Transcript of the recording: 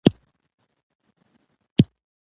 استاد د سختو شرایطو سره مبارزه کوي.